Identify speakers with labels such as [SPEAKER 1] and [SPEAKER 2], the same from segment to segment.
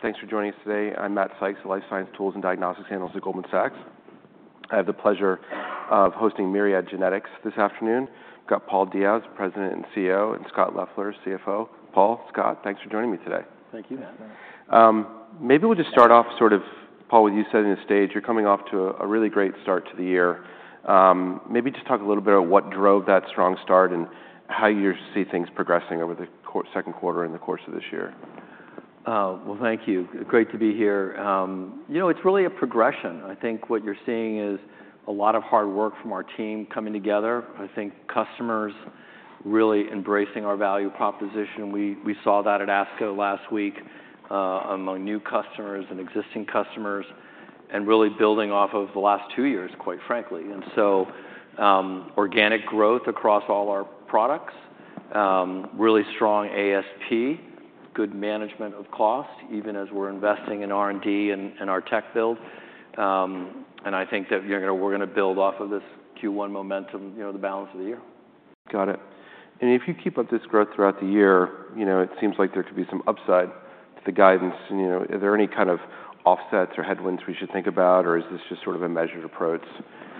[SPEAKER 1] Thanks for joining us today. I'm Matt Sykes, a Life Science Tools and Diagnostics Analyst at Goldman Sachs. I have the pleasure of hosting Myriad Genetics this afternoon. We've got Paul Diaz, President and CEO, and Scott Leffler, CFO. Paul, Scott, thanks for joining me today.
[SPEAKER 2] Thank you, Matt.
[SPEAKER 1] Maybe we'll just start off sort of, Paul, with you setting the stage. You're coming off to a really great start to the year. Maybe just talk a little bit about what drove that strong start and how you see things progressing over the second quarter in the course of this year.
[SPEAKER 2] Well, thank you. Great to be here. You know, it's really a progression. I think what you're seeing is a lot of hard work from our team coming together. I think customers really embracing our value proposition. We, we saw that at ASCO last week, among new customers and existing customers, and really building off of the last two years, quite frankly. And so, organic growth across all our products, really strong ASP, good management of cost, even as we're investing in R&D and, and our tech build. And I think that, you know, we're gonna build off of this Q1 momentum, you know, the balance of the year.
[SPEAKER 1] Got it. And if you keep up this growth throughout the year, you know, it seems like there could be some upside to the guidance. And, you know, are there any kind of offsets or headwinds we should think about, or is this just sort of a measured approach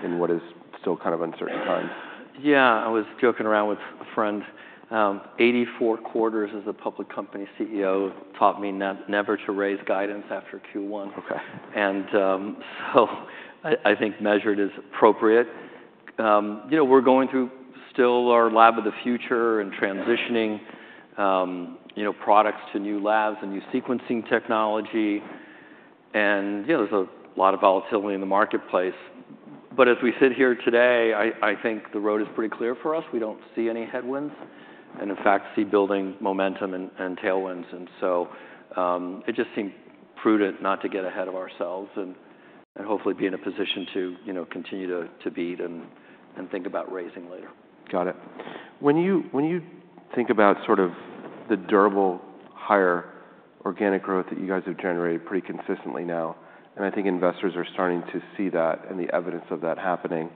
[SPEAKER 1] in what is still kind of uncertain times?
[SPEAKER 2] Yeah, I was joking around with a friend. 84 quarters as a public company CEO taught me never to raise guidance after Q1.
[SPEAKER 1] Okay.
[SPEAKER 2] And, so I think measured is appropriate. You know, we're going through still our lab of the future and transitioning, you know, products to new labs and new sequencing technology, and, you know, there's a lot of volatility in the marketplace. But as we sit here today, I think the road is pretty clear for us. We don't see any headwinds, and in fact, see building momentum and tailwinds. And so, it just seemed prudent not to get ahead of ourselves and hopefully be in a position to, you know, continue to beat and think about raising later.
[SPEAKER 1] Got it. When you, when you think about sort of the durable, higher organic growth that you guys have generated pretty consistently now, and I think investors are starting to see that and the evidence of that happening,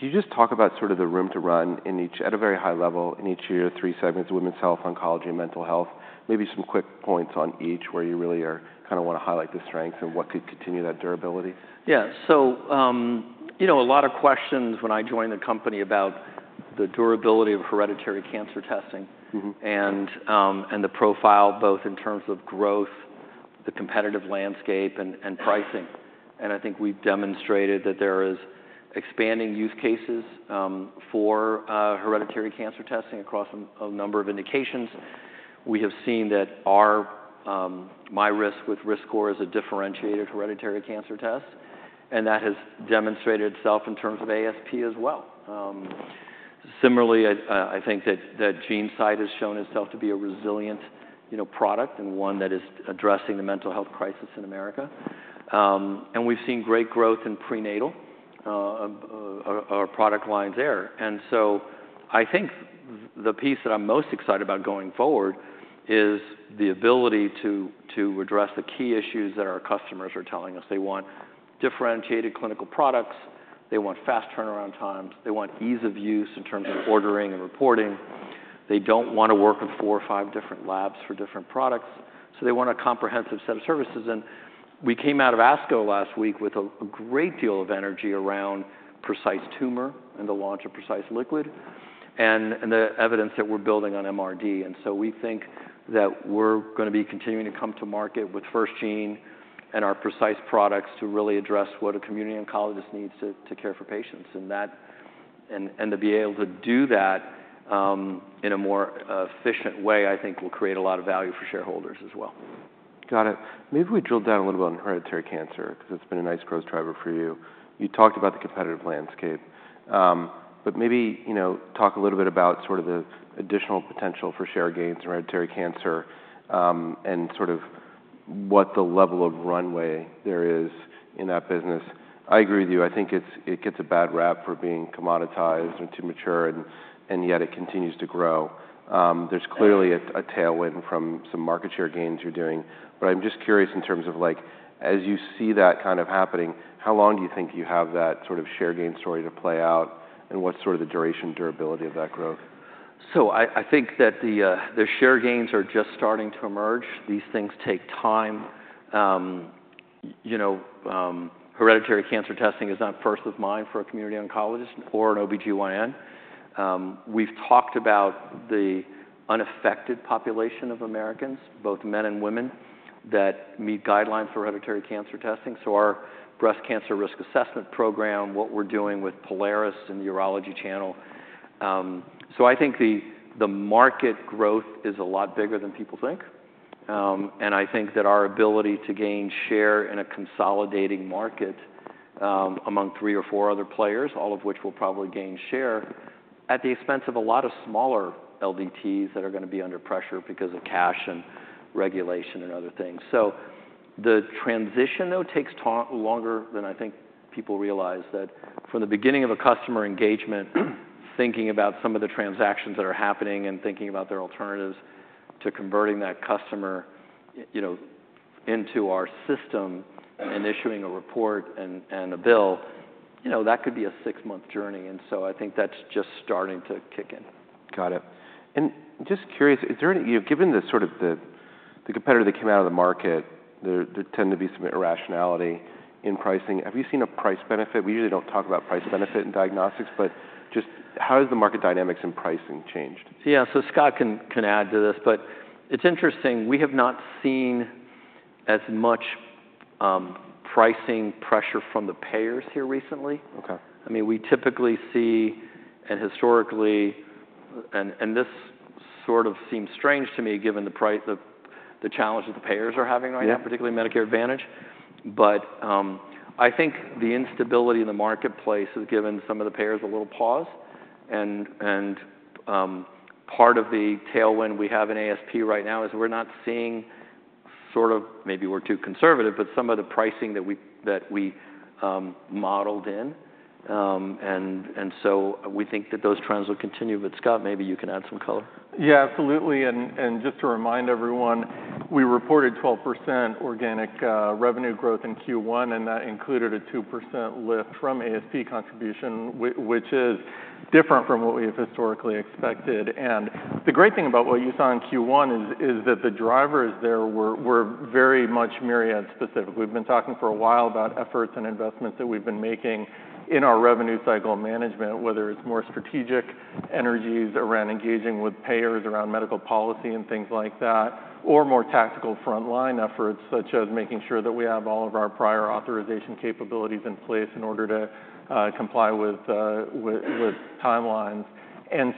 [SPEAKER 1] can you just talk about sort of the room to run in each—at a very high level, in each of your three segments: women's health, oncology, and mental health? Maybe some quick points on each, where you really kind of want to highlight the strength and what could continue that durability.
[SPEAKER 2] Yeah. So, you know, a lot of questions when I joined the company about the durability of hereditary cancer testing-
[SPEAKER 1] Mm-hmm...
[SPEAKER 2] and the profile, both in terms of growth, the competitive landscape, and pricing. And I think we've demonstrated that there is expanding use cases for hereditary cancer testing across a number of indications. We have seen that our MyRisk with RiskScore is a differentiated hereditary cancer test, and that has demonstrated itself in terms of ASP as well. Similarly, I think that GeneSight has shown itself to be a resilient, you know, product and one that is addressing the mental health crisis in America. And we've seen great growth in prenatal, our product lines there. And so I think the piece that I'm most excited about going forward is the ability to address the key issues that our customers are telling us. They want differentiated clinical products. They want fast turnaround times. They want ease of use in terms of ordering and reporting. They don't want to work with four or five different labs for different products. So they want a comprehensive set of services, and we came out of ASCO last week with a great deal of energy around Precise Tumor and the launch of Precise Liquid, and the evidence that we're building on MRD. And so we think that we're gonna be continuing to come to market with FirstGene and our Precise products to really address what a community oncologist needs to care for patients, and and to be able to do that in a more efficient way. I think will create a lot of value for shareholders as well.
[SPEAKER 1] Got it. Maybe if we drilled down a little bit on hereditary cancer, 'cause it's been a nice growth driver for you. You talked about the competitive landscape, but maybe, you know, talk a little bit about sort of the additional potential for share gains in hereditary cancer, and sort of what the level of runway there is in that business. I agree with you. I think it gets a bad rap for being commoditized or too mature, and yet it continues to grow. There's clearly a tailwind from some market share gains you're doing. But I'm just curious in terms of, like, as you see that kind of happening, how long do you think you have that sort of share gain story to play out, and what's sort of the duration, durability of that growth?
[SPEAKER 2] So I think that the share gains are just starting to emerge. These things take time. You know, hereditary cancer testing is not first of mind for a community oncologist or an OBGYN. We've talked about the unaffected population of Americans, both men and women, that meet guidelines for hereditary cancer testing, so our breast cancer risk assessment program, what we're doing with Prolaris and urology channel. So I think the market growth is a lot bigger than people think. And I think that our ability to gain share in a consolidating market, among three or four other players, all of which will probably gain share, at the expense of a lot of smaller LDTs that are gonna be under pressure because of cash, and regulation, and other things. So the transition, though, takes longer than I think people realize, that from the beginning of a customer engagement, thinking about some of the transactions that are happening and thinking about their alternatives, to converting that customer, you know, into our system and issuing a report and a bill, you know, that could be a six-month journey. And so I think that's just starting to kick in.
[SPEAKER 1] Got it. And just curious, is there given the sort of competitor that came out of the market, there tend to be some irrationality in pricing. Have you seen a price benefit? We usually don't talk about price benefit in diagnostics, but just how has the market dynamics and pricing changed?
[SPEAKER 2] Yeah, so Scott can add to this, but it's interesting. We have not seen as much pricing pressure from the payers here recently.
[SPEAKER 1] Okay.
[SPEAKER 2] I mean, we typically see, and historically, this sort of seems strange to me, given the pricing challenge that the payers are having right now-
[SPEAKER 1] Yeah...
[SPEAKER 2] particularly Medicare Advantage. But I think the instability in the marketplace has given some of the payers a little pause. And part of the tailwind we have in ASP right now is we're not seeing sort of... Maybe we're too conservative, but some of the pricing that we modeled in. And so we think that those trends will continue. But Scott, maybe you can add some color.
[SPEAKER 3] Yeah, absolutely. And just to remind everyone, we reported 12% organic revenue growth in Q1, and that included a 2% lift from ASP contribution, which is different from what we have historically expected. The great thing about what you saw in Q1 is that the drivers there were very much Myriad-specific. We've been talking for a while about efforts and investments that we've been making in our revenue cycle management, whether it's more strategic energies around engaging with payers, around medical policy and things like that, or more tactical frontline efforts, such as making sure that we have all of our prior authorization capabilities in place in order to comply with timelines.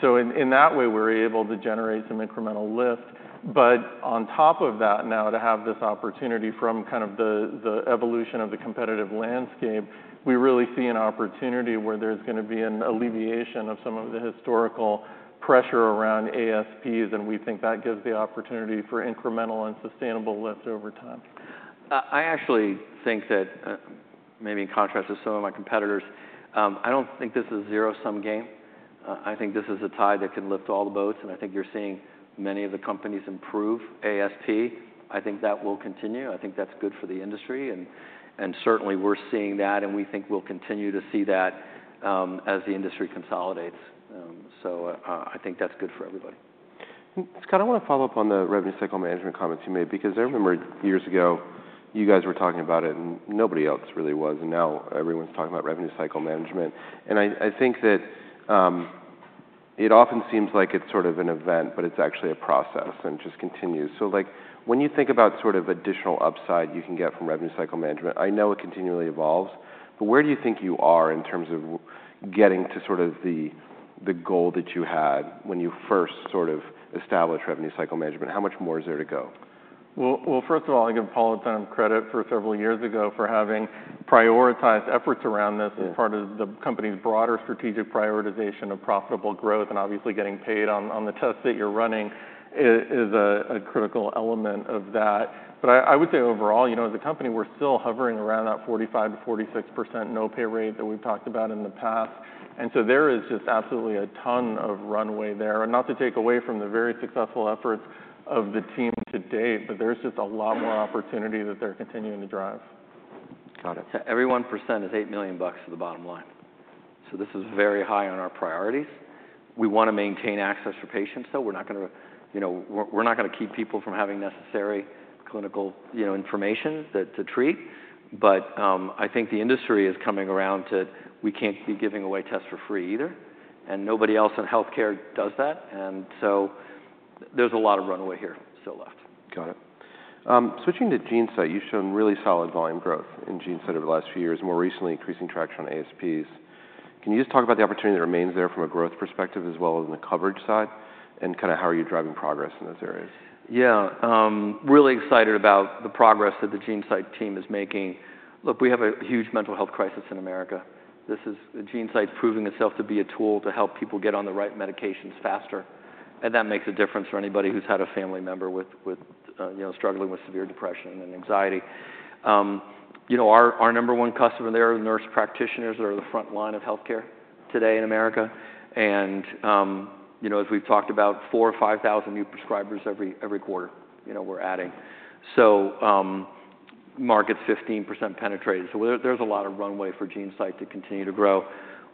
[SPEAKER 3] So in that way, we're able to generate some incremental lift. But on top of that, now to have this opportunity from kind of the evolution of the competitive landscape, we really see an opportunity where there's gonna be an alleviation of some of the historical pressure around ASPs, and we think that gives the opportunity for incremental and sustainable lifts over time.
[SPEAKER 2] I actually think that, maybe in contrast to some of my competitors, I don't think this is a zero-sum game. I think this is a tide that can lift all the boats, and I think you're seeing many of the companies improve ASP. I think that will continue. I think that's good for the industry, and, and certainly we're seeing that, and we think we'll continue to see that, as the industry consolidates. So, I think that's good for everybody.
[SPEAKER 1] Scott, I wanna follow up on the revenue cycle management comments you made, because I remember years ago, you guys were talking about it and nobody else really was, and now everyone's talking about revenue cycle management. And I, I think that it often seems like it's sort of an event, but it's actually a process, and it just continues. So like, when you think about sort of additional upside you can get from revenue cycle management, I know it continually evolves, but where do you think you are in terms of getting to sort of the, the goal that you had when you first sort of established revenue cycle management? How much more is there to go?
[SPEAKER 3] Well, well, first of all, I give Paul a ton of credit for several years ago for having prioritized efforts around this-
[SPEAKER 1] Yeah...
[SPEAKER 3] as part of the company's broader strategic prioritization of profitable growth, and obviously, getting paid on the tests that you're running is a critical element of that. But I would say overall, you know, as a company, we're still hovering around that 45%-46% no-pay rate that we've talked about in the past. And so there is just absolutely a ton of runway there. And not to take away from the very successful efforts of the team to date, but there's just a lot more opportunity that they're continuing to drive.
[SPEAKER 1] Got it.
[SPEAKER 2] Every 1% is $8 million to the bottom line. So this is very high on our priorities. We wanna maintain access for patients, though. We're not gonna, you know, we're not gonna keep people from having necessary clinical, you know, information to treat. But, I think the industry is coming around to, we can't be giving away tests for free either, and nobody else in healthcare does that. And so there's a lot of runway here still left.
[SPEAKER 1] Got it. Switching to GeneSight, you've shown really solid volume growth in GeneSight over the last few years, more recently, increasing traction on ASPs. Can you just talk about the opportunity that remains there from a growth perspective as well as on the coverage side, and kind of how are you driving progress in those areas?
[SPEAKER 2] Yeah. Really excited about the progress that the GeneSight team is making. Look, we have a huge mental health crisis in America. This is. The GeneSight's proving itself to be a tool to help people get on the right medications faster, and that makes a difference for anybody who's had a family member with, you know, struggling with severe depression and anxiety. You know, our number one customer there, nurse practitioners, are the front line of healthcare today in America. And, you know, as we've talked about, four or five thousand new prescribers every quarter, you know, we're adding. So, market's 15% penetrated, so there's a lot of runway for GeneSight to continue to grow.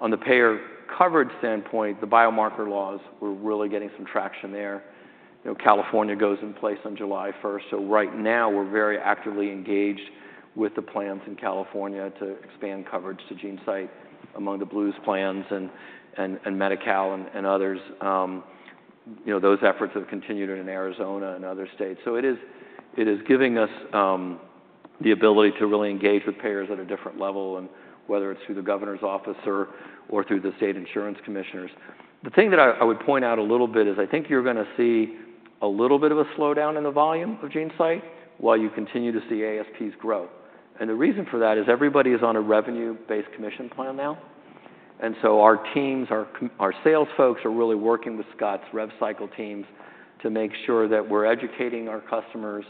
[SPEAKER 2] On the payer coverage standpoint, the biomarker laws, we're really getting some traction there. You know, California goes in place on July 1st, so right now, we're very actively engaged with the plans in California to expand coverage to GeneSight among the Blues plans and Medi-Cal and others. You know, those efforts have continued in Arizona and other states. So it is giving us the ability to really engage with payers at a different level, and whether it's through the governor's office or through the state insurance commissioners. The thing that I would point out a little bit is I think you're gonna see a little bit of a slowdown in the volume of GeneSight, while you continue to see ASPs grow. And the reason for that is everybody is on a revenue-based commission plan now. Our teams, our sales folks are really working with Scott's rev cycle teams to make sure that we're educating our customers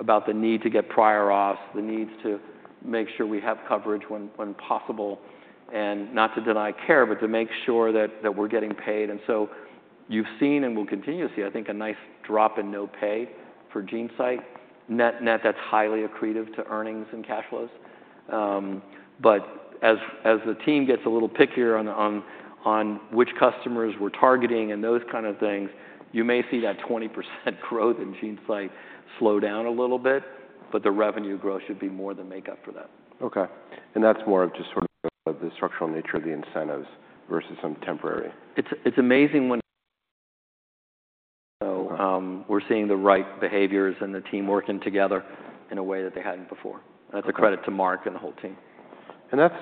[SPEAKER 2] about the need to get prior auth, the needs to make sure we have coverage when possible, and not to deny care, but to make sure that we're getting paid. So you've seen and will continue to see, I think, a nice drop in no pay for GeneSight. Net, net, that's highly accretive to earnings and cash flows. But as the team gets a little pickier on which customers we're targeting and those kind of things, you may see that 20% growth in GeneSight slow down a little bit, but the revenue growth should be more than make up for that.
[SPEAKER 1] Okay. And that's more of just sort of the structural nature of the incentives versus some temporary?
[SPEAKER 2] It's amazing. So, we're seeing the right behaviors and the team working together in a way that they hadn't before.
[SPEAKER 1] Okay.
[SPEAKER 2] That's a credit to Mark and the whole team.
[SPEAKER 1] That's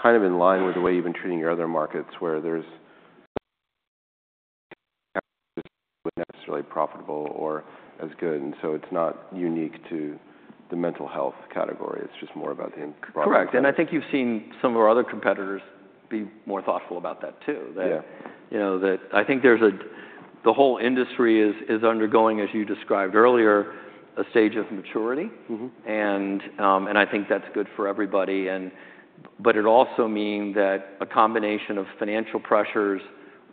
[SPEAKER 1] kind of in line with the way you've been treating your other markets, where there's necessarily profitable or as good, and so it's not unique to the mental health category. It's just more about the-
[SPEAKER 2] Correct. And I think you've seen some of our other competitors be more thoughtful about that, too.
[SPEAKER 1] Yeah.
[SPEAKER 2] You know, the whole industry is undergoing, as you described earlier, a stage of maturity.
[SPEAKER 1] Mm-hmm.
[SPEAKER 2] I think that's good for everybody, but it also mean that a combination of financial pressures,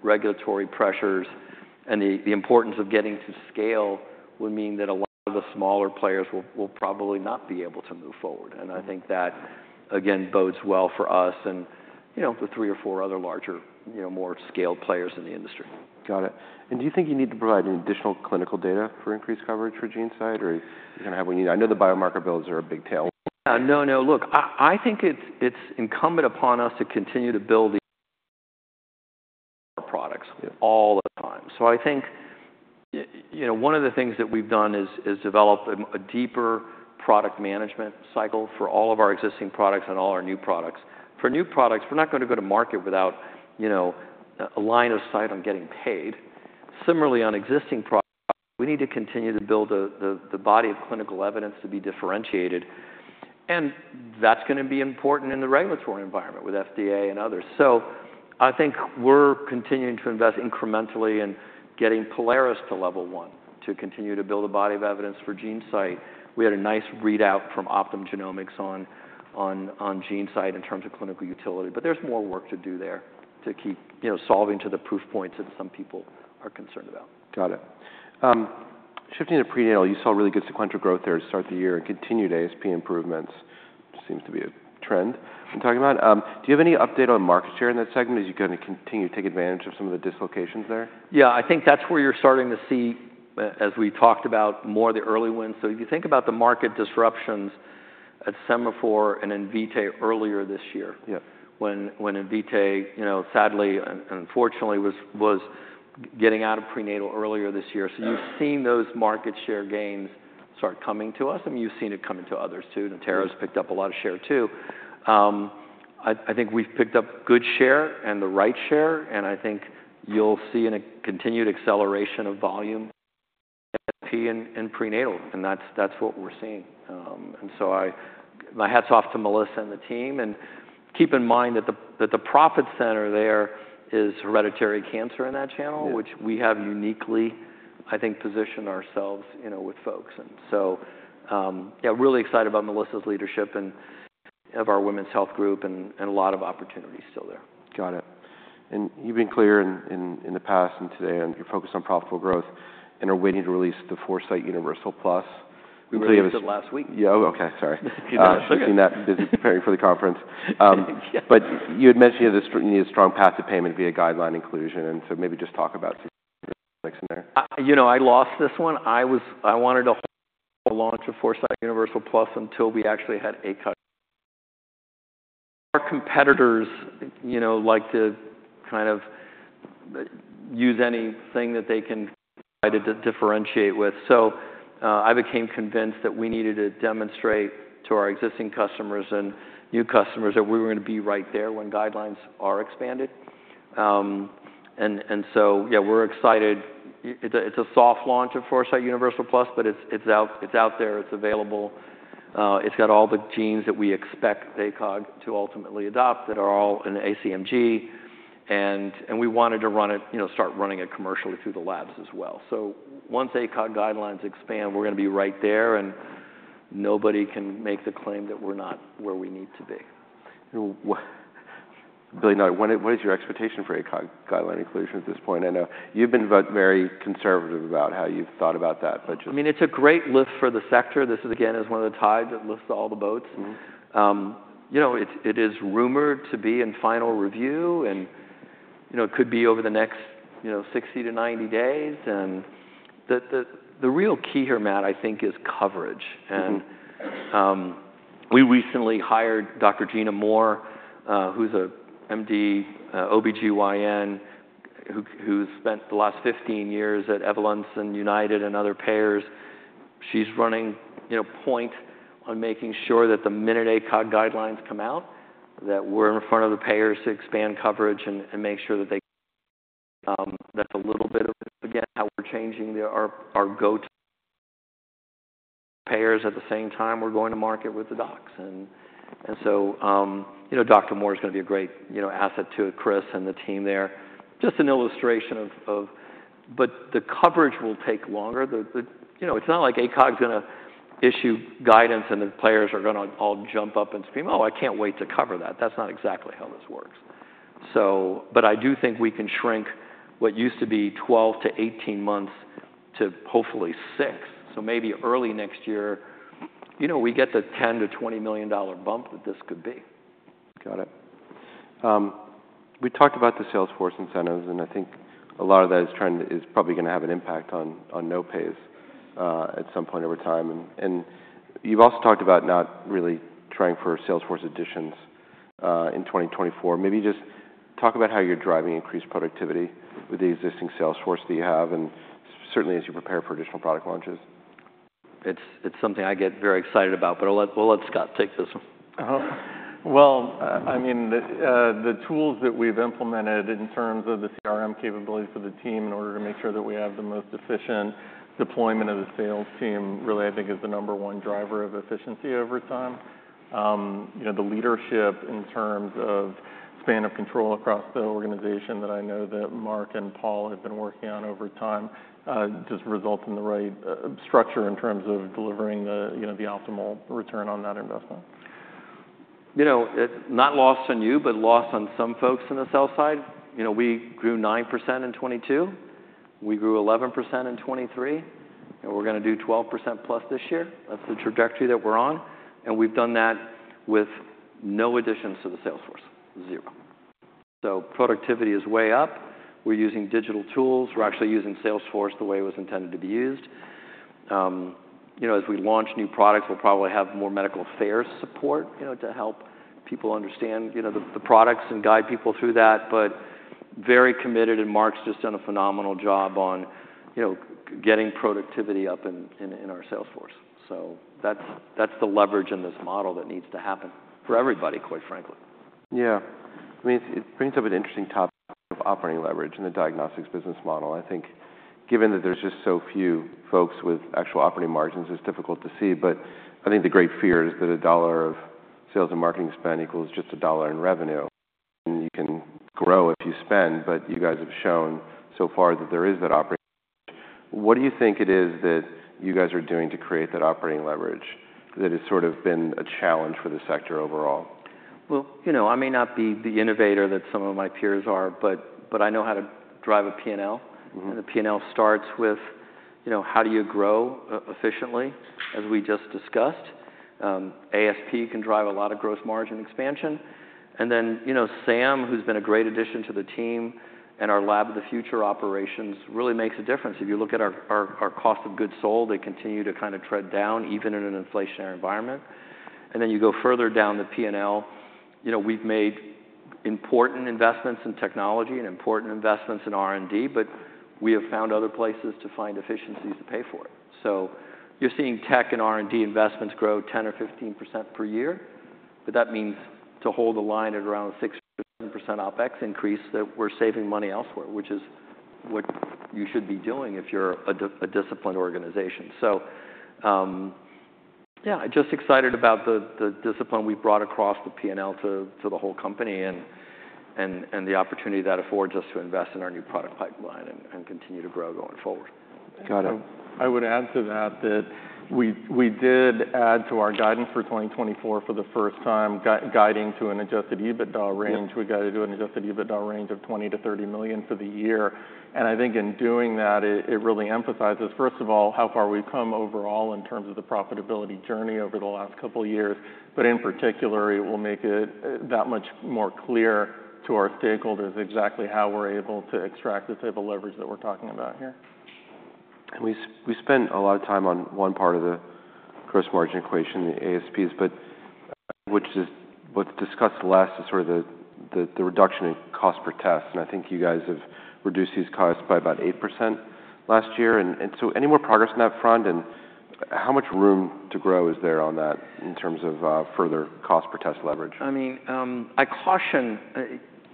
[SPEAKER 2] regulatory pressures, and the importance of getting to scale would mean that a lot of the smaller players will probably not be able to move forward.
[SPEAKER 1] Mm-hmm.
[SPEAKER 2] I think that, again, bodes well for us and, you know, the three or four other larger, you know, more scaled players in the industry.
[SPEAKER 1] Got it. And do you think you need to provide any additional clinical data for increased coverage for GeneSight, or you're gonna have what you need? I know the biomarker builds are a big tailwind.
[SPEAKER 2] Yeah. No, no, look, I, I think it's, it's incumbent upon us to continue to build the products all the time.
[SPEAKER 1] Yeah.
[SPEAKER 2] So I think, you know, one of the things that we've done is develop a deeper product management cycle for all of our existing products and all our new products. For new products, we're not going to go to market without, you know, a line of sight on getting paid. Similarly, on existing products, we need to continue to build the body of clinical evidence to be differentiated, and that's going to be important in the regulatory environment with FDA and others. So I think we're continuing to invest incrementally in getting Prolaris to level one, to continue to build a body of evidence for GeneSight. We had a nice readout from Optum Genomics on GeneSight in terms of clinical utility, but there's more work to do there to keep, you know, solving to the proof points that some people are concerned about.
[SPEAKER 1] Got it. Shifting to prenatal, you saw really good sequential growth there to start the year and continued ASP improvements. Seems to be a trend I'm talking about. Do you have any update on market share in that segment? As you kind of continue to take advantage of some of the dislocations there?
[SPEAKER 2] Yeah, I think that's where you're starting to see, as we talked about more, the early wins. So if you think about the market disruptions at Sema4 and Invitae earlier this year-
[SPEAKER 1] Yeah ...
[SPEAKER 2] when Invitae, you know, sadly and unfortunately, was getting out of prenatal earlier this year.
[SPEAKER 1] Yeah.
[SPEAKER 2] You've seen those market share gains start coming to us, and you've seen it coming to others, too.
[SPEAKER 1] Yeah.
[SPEAKER 2] Natera's picked up a lot of share, too. I think we've picked up good share and the right share, and I think you'll see in a continued acceleration of volume, ASP in prenatal, and that's what we're seeing. And so my hat's off to Melissa and the team. And keep in mind that the profit center there is hereditary cancer in that channel.
[SPEAKER 1] Yeah...
[SPEAKER 2] which we have uniquely, I think, positioned ourselves, you know, with folks. And so, yeah, really excited about Melissa's leadership and of our women's health group and a lot of opportunities still there.
[SPEAKER 1] Got it. You've been clear in the past and today on your focus on profitable growth and are waiting to release the Foresight Universal Plus.
[SPEAKER 2] We released it last week.
[SPEAKER 1] Yeah. Oh, okay. Sorry.
[SPEAKER 2] It's okay.
[SPEAKER 1] Been that busy preparing for the conference.
[SPEAKER 2] Yeah.
[SPEAKER 1] But you had mentioned you had a strong path to payment via guideline inclusion, and so maybe just talk about
[SPEAKER 2] You know, I lost this one. I wanted to launch a Foresight Universal Plus until we actually had ACOG. Our competitors, you know, like to kind of use anything that they can try to differentiate with. So, I became convinced that we needed to demonstrate to our existing customers and new customers that we were going to be right there when guidelines are expanded. And so, yeah, we're excited. It's a soft launch of Foresight Universal Plus, but it's out, it's out there, it's available. It's got all the genes that we expect ACOG to ultimately adopt, that are all in the ACMG, and we wanted to run it, you know, start running it commercially through the labs as well. Once ACOG guidelines expand, we're going to be right there, and nobody can make the claim that we're not where we need to be.
[SPEAKER 1] What, what is your expectation for ACOG guideline inclusion at this point? I know you've been very conservative about how you've thought about that, but just-
[SPEAKER 2] I mean, it's a great lift for the sector. This is, again, one of the tides that lifts all the boats.
[SPEAKER 1] Mm-hmm.
[SPEAKER 2] You know, it is rumored to be in final review and, you know, could be over the next, you know, 60-90 days. And the real key here, Matt, I think, is coverage.
[SPEAKER 1] Mm-hmm.
[SPEAKER 2] We recently hired Dr. Gina Moore, who's a MD, OBGYN, who spent the last 15 years at Evolent and United and other payers. She's running, you know, point on making sure that the minute ACOG guidelines come out, that we're in front of the payers to expand coverage and make sure that they, that's a little bit of, again, how we're changing our go-to payers. At the same time, we're going to market with the docs. So, you know, Dr. Moore is going to be a great, you know, asset to Chris and the team there. Just an illustration of, but the coverage will take longer. You know, it's not like ACOG's gonna issue guidance, and the payers are gonna all jump up and scream, "Oh, I can't wait to cover that!" That's not exactly how this works. But I do think we can shrink what used to be 12-18 months to hopefully six. So maybe early next year, you know, we get the $10 million-$20 million bump that this could be.
[SPEAKER 1] Got it. We talked about the salesforce incentives, and I think a lot of that is probably gonna have an impact on no pays at some point over time. And you've also talked about not really trying for salesforce additions in 2024. Maybe just talk about how you're driving increased productivity with the existing salesforce that you have, and certainly as you prepare for additional product launches.
[SPEAKER 2] It's, it's something I get very excited about, but I'll let, we'll let Scott take this one.
[SPEAKER 3] Well, I mean, the tools that we've implemented in terms of the CRM capabilities of the team in order to make sure that we have the most efficient deployment of the sales team, really, I think, is the number one driver of efficiency over time. You know, the leadership in terms of span of control across the organization that I know that Mark and Paul have been working on over time just result in the right structure in terms of delivering you know, the optimal return on that investment.
[SPEAKER 2] You know, it's not lost on you, but lost on some folks in the sell side. You know, we grew 9% in 2022, we grew 11% in 2023, and we're gonna do 12%+ this year. That's the trajectory that we're on, and we've done that with no additions to the salesforce, zero. So productivity is way up. We're using digital tools. We're actually using Salesforce the way it was intended to be used. You know, as we launch new products, we'll probably have more medical affairs support, you know, to help people understand, you know, the products and guide people through that. But very committed, and Mark's just done a phenomenal job on, you know, getting productivity up in our salesforce. So that's the leverage in this model that needs to happen for everybody, quite frankly.
[SPEAKER 1] Yeah. I mean, it brings up an interesting topic of operating leverage in the diagnostics business model. I think given that there's just so few folks with actual operating margins, it's difficult to see. But I think the great fear is that $1 of sales and marketing spend equals just $1 in revenue, and you can grow if you spend. But you guys have shown so far that there is that operating. What do you think it is that you guys are doing to create that operating leverage that has sort of been a challenge for the sector overall?
[SPEAKER 2] Well, you know, I may not be the innovator that some of my peers are, but, but I know how to drive a P&L.
[SPEAKER 1] Mm-hmm.
[SPEAKER 2] And the P&L starts with, you know, how do you grow efficiently, as we just discussed? ASP can drive a lot of gross margin expansion. And then, you know, Sam, who's been a great addition to the team, and our lab of the future operations, really makes a difference. If you look at our cost of goods sold, they continue to kind of trend down, even in an inflationary environment. And then you go further down the P&L. You know, we've made important investments in technology and important investments in R&D, but we have found other places to find efficiencies to pay for it. So you're seeing tech and R&D investments grow 10% or 15% per year, but that means to hold the line at around 6% OpEx increase, that we're saving money elsewhere, which is what you should be doing if you're a disciplined organization. So, yeah, just excited about the discipline we've brought across the P&L to the whole company and the opportunity that affords us to invest in our new product pipeline and continue to grow going forward.
[SPEAKER 1] Got it.
[SPEAKER 3] I would add to that, that we did add to our guidance for 2024 for the first time, guiding to an adjusted EBITDA range.
[SPEAKER 2] Yep.
[SPEAKER 3] We guided to an adjusted EBITDA range of $20 million-$30 million for the year. And I think in doing that, it really emphasizes, first of all, how far we've come overall in terms of the profitability journey over the last couple of years. But in particular, it will make it that much more clear to our stakeholders exactly how we're able to extract the type of leverage that we're talking about here.
[SPEAKER 1] We spent a lot of time on one part of the gross margin equation, the ASPs, but which is... What's discussed less is sort of the reduction in cost per test, and I think you guys have reduced these costs by about 8% last year. And so any more progress on that front, and how much room to grow is there on that in terms of further cost per test leverage?
[SPEAKER 2] I mean,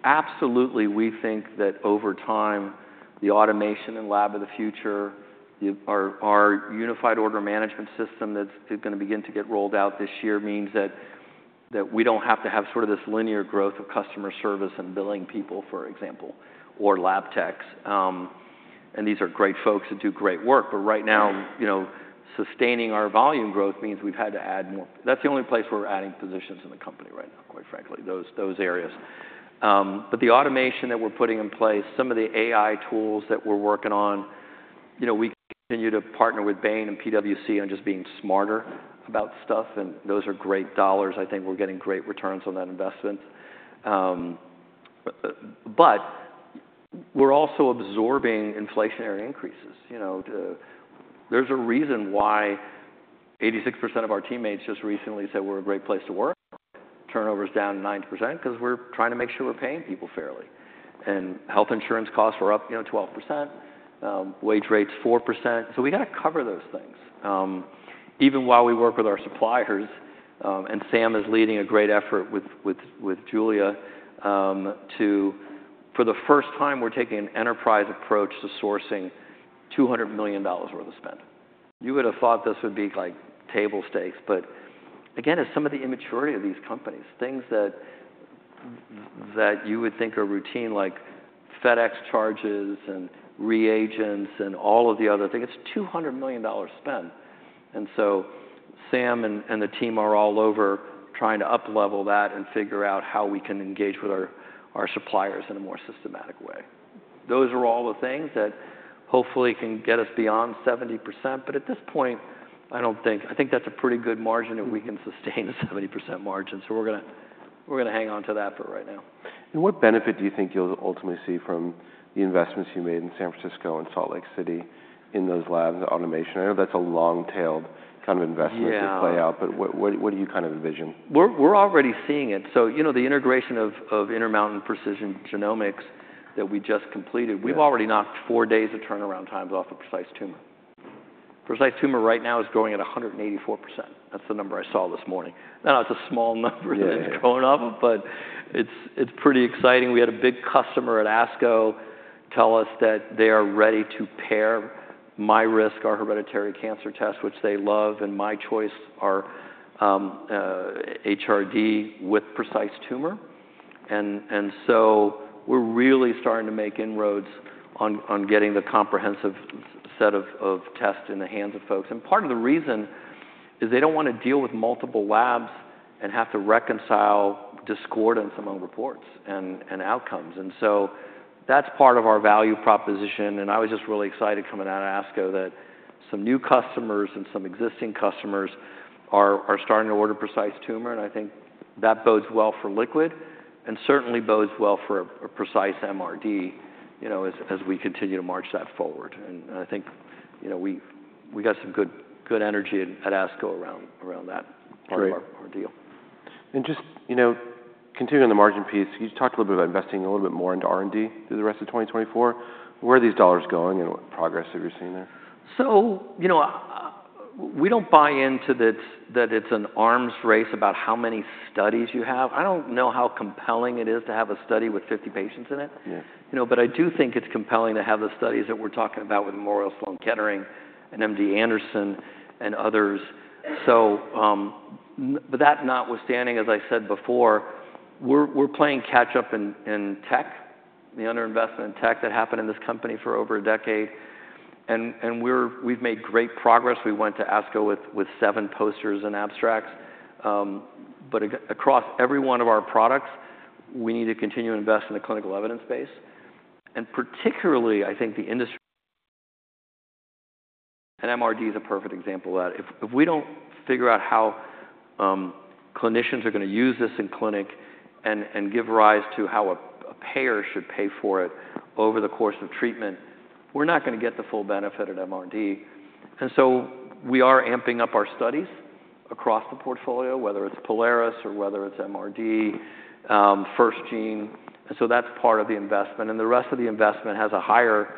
[SPEAKER 2] Absolutely, we think that over time, the automation and lab of the future, our unified order management system that's gonna begin to get rolled out this year, means that we don't have to have sort of this linear growth of customer service and billing people, for example, or lab techs. And these are great folks that do great work, but right now, you know, sustaining our volume growth means we've had to add more. That's the only place we're adding positions in the company right now, quite frankly, those areas. But the automation that we're putting in place, some of the AI tools that we're working on, you know, we continue to partner with Bain and PwC on just being smarter about stuff, and those are great dollars. I think we're getting great returns on that investment. But we're also absorbing inflationary increases. You know, there's a reason why 86% of our teammates just recently said we're a great place to work. Turnover is down 9%, 'cause we're trying to make sure we're paying people fairly. And health insurance costs are up, you know, 12%, wage rates, 4%, so we gotta cover those things. Even while we work with our suppliers, and Sam is leading a great effort with Julia, to—for the first time, we're taking an enterprise approach to sourcing $200 million worth of spend. You would have thought this would be like table stakes, but again, it's some of the immaturity of these companies, things that you would think are routine, like FedEx charges and reagents and all of the other things, it's $200 million dollar spend. And so Sam and the team are all over trying to uplevel that and figure out how we can engage with our suppliers in a more systematic way. Those are all the things that hopefully can get us beyond 70%, but at this point, I don't think—I think that's a pretty good margin, that we can sustain a 70% margin, so we're gonna hang on to that for right now.
[SPEAKER 1] What benefit do you think you'll ultimately see from the investments you made in San Francisco and Salt Lake City in those labs, the automation? I know that's a long-tailed kind of investment-
[SPEAKER 2] Yeah
[SPEAKER 1] -to play out, but what, what, what do you kind of envision?
[SPEAKER 2] We're already seeing it. So, you know, the integration of Intermountain Precision Genomics that we just completed-
[SPEAKER 1] Yeah...
[SPEAKER 2] we've already knocked 4 days of turnaround times off of Precise Tumor. Precise Tumor right now is growing at 184%. That's the number I saw this morning. I know it's a small number -
[SPEAKER 1] Yeah
[SPEAKER 2] -that's grown up, but it's, it's pretty exciting. We had a big customer at ASCO tell us that they are ready to pair MyRisk, our hereditary cancer test, which they love, and MyChoice, our HRD with Precise Tumor. And so we're really starting to make inroads on getting the comprehensive set of tests in the hands of folks. And part of the reason is they don't want to deal with multiple labs and have to reconcile discordance among reports and outcomes. And so that's part of our value proposition, and I was just really excited coming out of ASCO that some new customers and some existing customers are starting to order Precise Tumor, and I think that bodes well for Liquid, and certainly bodes well for a Precise MRD, you know, as we continue to march that forward. I think, you know, we've got some good energy at ASCO around that.
[SPEAKER 1] Great
[SPEAKER 2] part of our deal.
[SPEAKER 1] Just, you know, continuing on the margin piece, you talked a little bit about investing a little bit more into R&D through the rest of 2024. Where are these dollars going, and what progress have you seen there?
[SPEAKER 2] You know, we don't buy into that it's an arms race about how many studies you have. I don't know how compelling it is to have a study with 50 patients in it.
[SPEAKER 1] Yeah.
[SPEAKER 2] You know, but I do think it's compelling to have the studies that we're talking about with Memorial Sloan Kettering and MD Anderson, and others. So, but that notwithstanding, as I said before, we're playing catch up in tech, the underinvestment in tech that happened in this company for over a decade, and we've made great progress. We went to ASCO with seven posters and abstracts. But across every one of our products, we need to continue to invest in the clinical evidence base, and particularly, I think the industry... MRD is a perfect example of that. If we don't figure out how clinicians are gonna use this in clinic and give rise to how a payer should pay for it over the course of treatment, we're not gonna get the full benefit at MRD. And so we are amping up our studies across the portfolio, whether it's Prolaris or whether it's MRD, FirstGene, and so that's part of the investment. The rest of the investment has a higher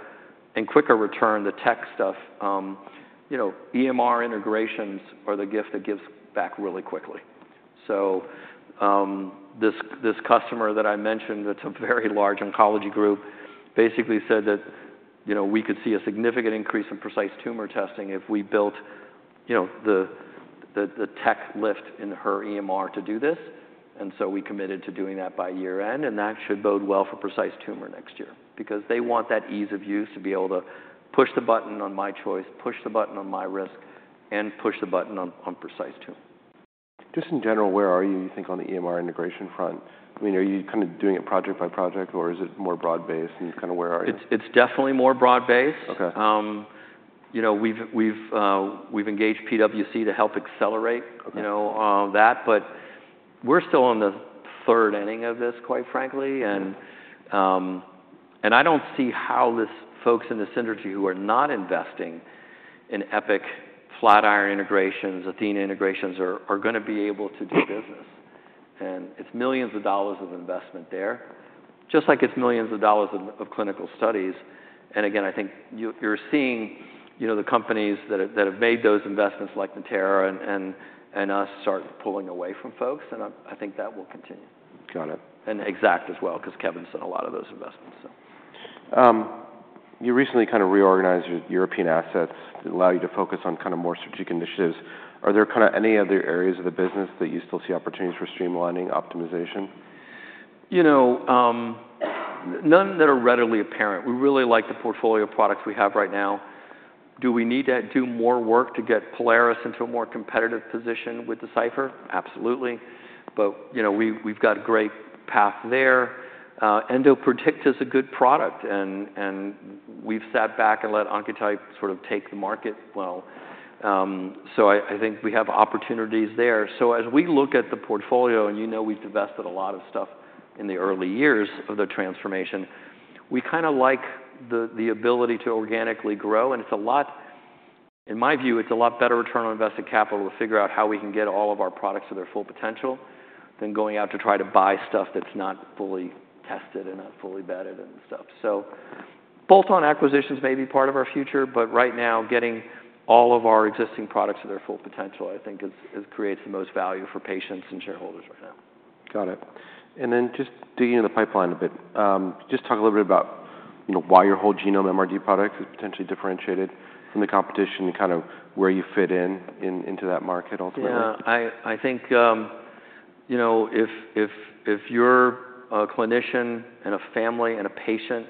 [SPEAKER 2] and quicker return, the tech stuff. You know, EMR integrations are the gift that gives back really quickly. This customer that I mentioned, that's a very large oncology group, basically said that, you know, we could see a significant increase in Precise Tumor testing if we built, you know, the tech lift in her EMR to do this, and so we committed to doing that by year-end, and that should bode well for Precise Tumor next year. Because they want that ease of use to be able to push the button on MyChoice, push the button on MyRisk, and push the button on Precise Tumor.
[SPEAKER 1] Just in general, where are you, you think, on the EMR integration front? I mean, are you kind of doing it project by project, or is it more broad-based and kind of where are you?
[SPEAKER 2] It's definitely more broad-based.
[SPEAKER 1] Okay.
[SPEAKER 2] You know, we've engaged PwC to help accelerate-
[SPEAKER 1] Okay...
[SPEAKER 2] you know, that, but we're still on the third inning of this, quite frankly. And I don't see how these folks in this industry who are not investing in Epic, Flatiron integrations, Athena integrations, are gonna be able to do business. And it's millions of dollars of investment there, just like it's millions of dollars of clinical studies. And again, I think you, you're seeing, you know, the companies that have made those investments, like Natera and us, start pulling away from folks, and I think that will continue.
[SPEAKER 1] Got it.
[SPEAKER 2] And Exact as well, 'cause Kevin's done a lot of those investments, so...
[SPEAKER 1] You recently kind of reorganized your European assets to allow you to focus on kind of more strategic initiatives. Are there kind of any other areas of the business that you still see opportunities for streamlining, optimization?
[SPEAKER 2] You know, none that are readily apparent. We really like the portfolio of products we have right now. Do we need to do more work to get Prolaris into a more competitive position with Decipher? Absolutely. But, you know, we've got a great path there. EndoPredict is a good product, and we've sat back and let Oncotype DX sort of take the market well. So I think we have opportunities there. So as we look at the portfolio, and you know we've divested a lot of stuff in the early years of the transformation, we kinda like the ability to organically grow, and it's a lot, in my view, it's a lot better return on invested capital to figure out how we can get all of our products to their full potential than going out to try to buy stuff that's not fully tested and fully vetted and stuff. So bolt-on acquisitions may be part of our future, but right now, getting all of our existing products to their full potential, I think creates the most value for patients and shareholders right now.
[SPEAKER 1] Got it. And then just digging in the pipeline a bit, just talk a little bit about you know, why your whole genome MRD product is potentially differentiated from the competition and kind of where you fit in, in, into that market ultimately?
[SPEAKER 2] Yeah, I think, you know, if you're a clinician and a family and a patient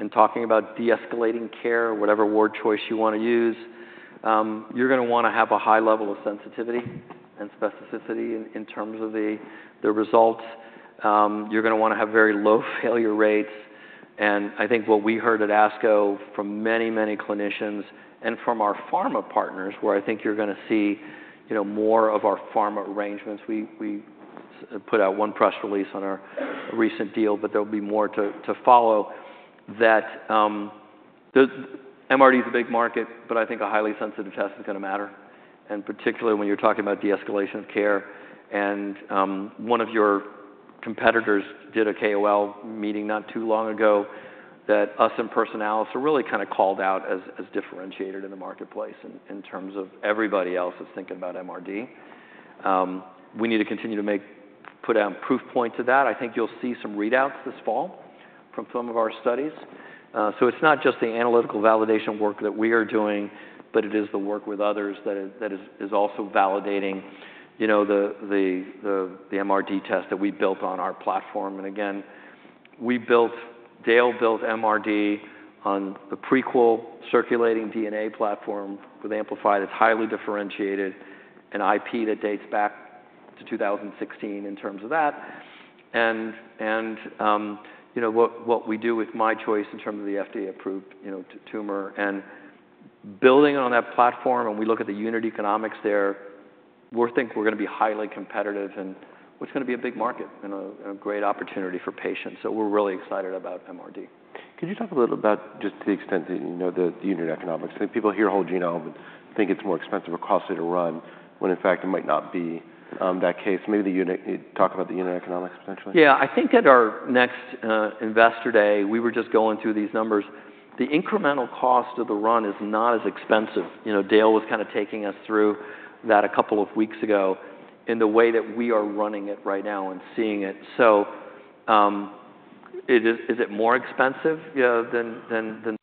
[SPEAKER 2] and talking about de-escalating care, whatever word choice you want to use, you're gonna wanna have a high level of sensitivity and specificity in terms of the results. You're gonna wanna have very low failure rates. And I think what we heard at ASCO from many, many clinicians and from our pharma partners, where I think you're gonna see, you know, more of our pharma arrangements. We put out one press release on our recent deal, but there'll be more to follow that, the MRD is a big market, but I think a highly sensitive test is gonna matter, and particularly when you're talking about de-escalation of care. One of your competitors did a KOL meeting not too long ago, that us and Personalis are really kind of called out as differentiated in the marketplace in terms of everybody else is thinking about MRD. We need to continue to put out proof points of that. I think you'll see some readouts this fall from some of our studies. So it's not just the analytical validation work that we are doing, but it is the work with others that is also validating, you know, the MRD test that we built on our platform. And again, we built... Dale built MRD on the Prequel circulating DNA platform with AMPLIFY. That's highly differentiated, an IP that dates back to 2016 in terms of that. You know, what we do with MyChoice in terms of the FDA-approved tumor. And building on that platform, when we look at the unit economics there, we think we're gonna be highly competitive and what's gonna be a big market and a great opportunity for patients. So we're really excited about MRD.
[SPEAKER 1] Could you talk a little about just the extent that you know the unit economics? So people hear whole genome and think it's more expensive or costly to run, when in fact it might not be, that case. Maybe the unit-- Can you talk about the unit economics potentially?
[SPEAKER 2] Yeah. I think at our next Investor Day, we were just going through these numbers. The incremental cost of the run is not as expensive. You know, Dale was kind of taking us through that a couple of weeks ago in the way that we are running it right now and seeing it. So, it is... Is it more expensive, you know, than, than, than...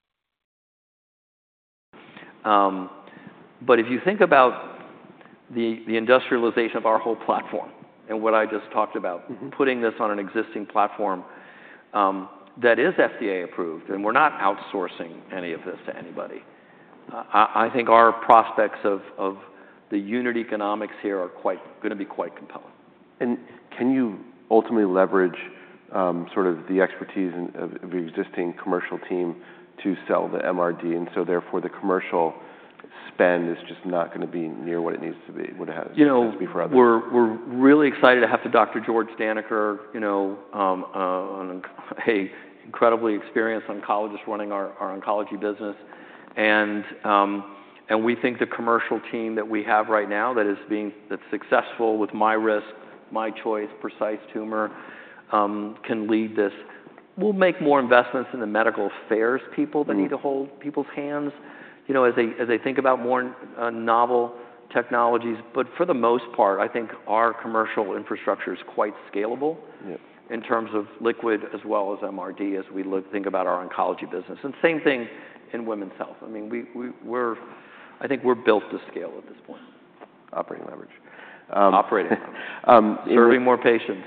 [SPEAKER 2] But if you think about the, the industrialization of our whole platform and what I just talked about-
[SPEAKER 1] Mm-hmm.
[SPEAKER 2] putting this on an existing platform that is FDA-approved, and we're not outsourcing any of this to anybody. I think our prospects of the unit economics here are quite gonna be quite compelling.
[SPEAKER 1] Can you ultimately leverage sort of the expertise of the existing commercial team to sell the MRD, and so therefore, the commercial spend is just not gonna be near what it needs to be, would have-
[SPEAKER 2] You know-
[SPEAKER 1] needs to be for others?...
[SPEAKER 2] We're really excited to have Dr. George Daneker, you know, an incredibly experienced oncologist running our oncology business. And we think the commercial team that we have right now, that's successful with MyRisk, MyChoice, Precise Tumor, can lead this. We'll make more investments in the medical affairs people-
[SPEAKER 1] Mm.
[SPEAKER 2] - that need to hold people's hands, you know, as they, as they think about more, novel technologies. But for the most part, I think our commercial infrastructure is quite scalable-
[SPEAKER 1] Yeah...
[SPEAKER 2] in terms of liquid, as well as MRD, as we think about our oncology business. Same thing in women's health. I mean, we're I think we're built to scale at this point.
[SPEAKER 1] Operating leverage.
[SPEAKER 2] Operating.
[SPEAKER 1] Um, in-
[SPEAKER 2] Serving more patients.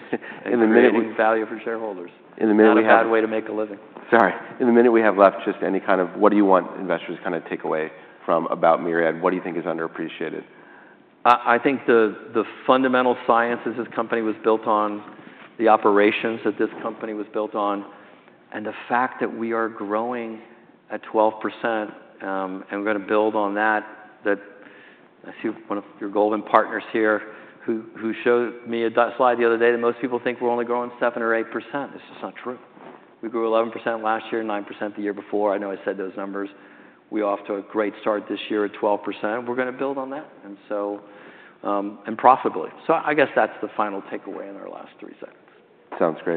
[SPEAKER 1] In the minute-
[SPEAKER 2] Creating value for shareholders.
[SPEAKER 1] In the minute we have-
[SPEAKER 2] Not a bad way to make a living.
[SPEAKER 1] Sorry. In the minute we have left, just any kind of... What do you want investors to kind of take away from about Myriad? What do you think is underappreciated?
[SPEAKER 2] I think the fundamental sciences this company was built on, the operations that this company was built on, and the fact that we are growing at 12%, and we're gonna build on that, that... I see one of your Goldman partners here, who showed me a slide the other day, that most people think we're only growing 7% or 8%. It's just not true. We grew 11% last year, 9% the year before. I know I said those numbers. We're off to a great start this year at 12%. We're gonna build on that, and so, and profitably. So I guess that's the final takeaway in our last three seconds.
[SPEAKER 1] Sounds great.